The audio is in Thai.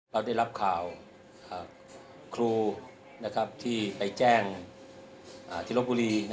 เราได้รับข่าวครูที่ไปแจ้งที่ลบบุรี